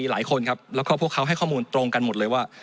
หลายคนครับแล้วก็พวกเขาให้ข้อมูลตรงกันหมดเลยว่า